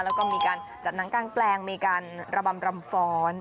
แล้วก็มีการจัดหนังกลางแปลงมีการระบำรำฟ้อน